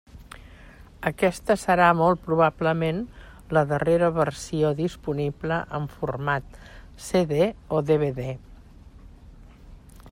Aquesta serà molt probablement la darrera versió disponible en format CD o DVD.